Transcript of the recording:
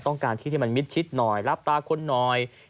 ต้องการที่ให้มันมิดชิดหน่อยรับตาคนหน่อย